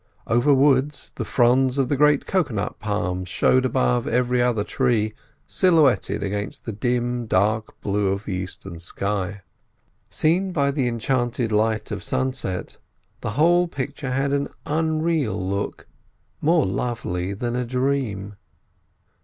Over woods the fronds of the great cocoa nut palms showed above every other tree silhouetted against the dim, dark blue of the eastern sky. Seen by the enchanted light of sunset, the whole picture had an unreal look, more lovely than a dream.